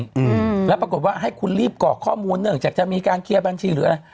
อืมแล้วปรากฏว่าให้คุณรีบกรอกข้อมูลเนื่องจากจะมีการเคลียร์บัญชีหรืออะไร